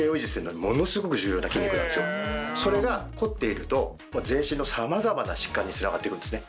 それが凝っていると全身の様々な疾患に繋がっていくんですね。